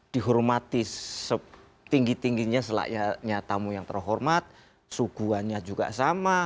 dihormati setinggi tingginya selayaknya tamu yang terhormat suguhannya juga sama